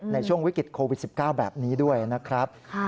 ในช่วงวิกฤตโควิด๑๙แบบนี้ด้วยนะครับ